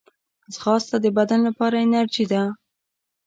ځغاسته د بدن لپاره انرژي ده